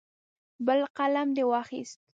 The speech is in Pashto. بل قلم دې واخیست.